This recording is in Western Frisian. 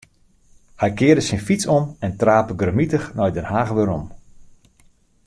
Hy kearde syn fyts om en trape grimmitich nei Den Haach werom.